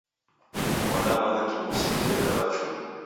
Wondamanga kimusi, dedekaba chui.